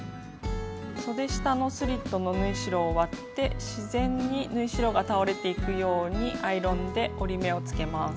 そで下のスリットの縫い代を割って自然に縫い代が倒れていくようにアイロンで折り目をつけます。